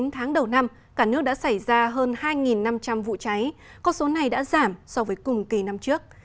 chín tháng đầu năm cả nước đã xảy ra hơn hai năm trăm linh vụ cháy con số này đã giảm so với cùng kỳ năm trước